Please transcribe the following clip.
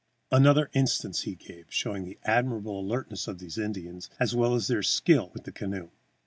Another instance he gave, showing the admirable alertness of these Indians, as well as their skill with the canoe.